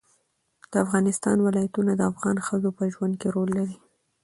د افغانستان ولايتونه د افغان ښځو په ژوند کې رول لري.